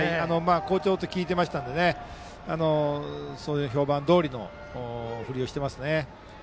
好調と聞いていましたのでその評判どおりの振りをしています。